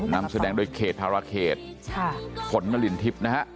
นำแสดงโดยเขตธาราชเขตผลนรินทิพย์